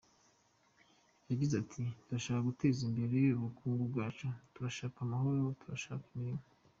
Yagize ati “Turashaka guteza imbere ubukungu bwacu, turashaka amahoro, turashaka imirimo.”